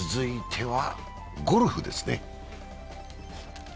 続いてはゴルフですね。